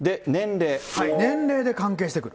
年齢で関係してくる。